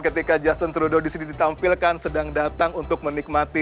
ketika juston trudeau disini ditampilkan sedang datang untuk menikmati